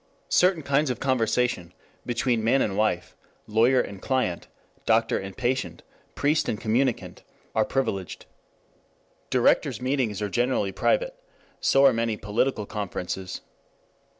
Certain kinds of conversation, between man and wife, lawyer and client, doctor and patient, priest and communicant, are privileged. Directors' meetings are generally private. So are many political conferences.